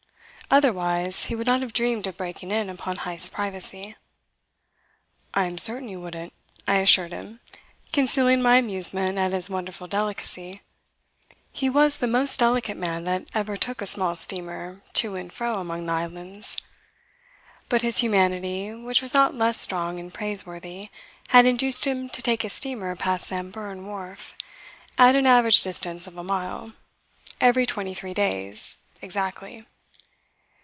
Otherwise he would not have dreamed of breaking in upon Heyst's privacy. "I am certain you wouldn't," I assured him, concealing my amusement at his wonderful delicacy. He was the most delicate man that ever took a small steamer to and fro among the islands. But his humanity, which was not less strong and praiseworthy, had induced him to take his steamer past Samburan wharf (at an average distance of a mile) every twenty three days exactly.